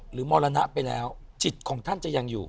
มรณะไปแล้วจิตของท่านจะยังอยู่